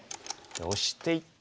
オシていって。